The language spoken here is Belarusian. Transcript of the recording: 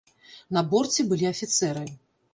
На борце былі афіцэры.